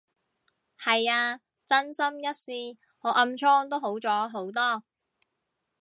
係啊，真心一試，我暗瘡都好咗好多